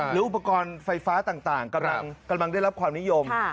หรืออุปกรณ์ไฟฟ้าต่างกำลังได้รับความนิยม